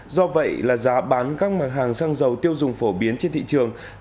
do vậy giá bán các hàng xăng dầu tiêu dùng phổ biến trên thị trường